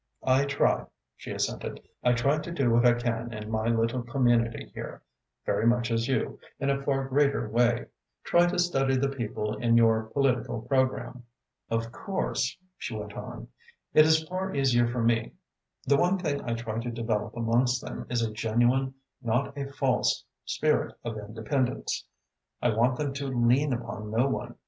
"I try," she assented. "I try to do what I can in my little community here, very much as you, in a far greater way, try to study the people in your political programme. Of course," she went on, "it is far easier for me. The one thing I try to develop amongst them is a genuine, not a false spirit of independence. I want them to lean upon no one.